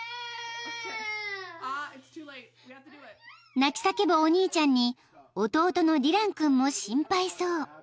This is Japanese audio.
［泣き叫ぶお兄ちゃんに弟のディラン君も心配そう］